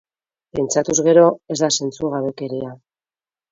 Pentsatuz gero ez da zentzugabekeria.